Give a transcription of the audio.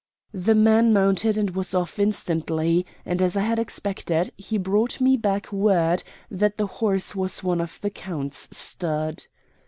The man mounted and was off instantly, and, as I had expected, he brought me back word that the horse was one of the count's stud.